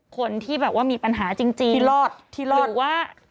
คนที่แบบว่ามีปัญหาจริงจริงหรือว่า